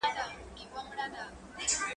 که وخت وي، کتابتون ته راځم!